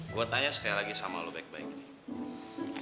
gua tanya sekali lagi sama lu baik baik